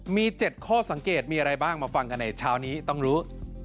มี๗ข้อสังเกตมีอะไรบ้างมาฟังกันในเช้านี้ต้องรู้